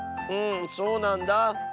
うんそうなんだ。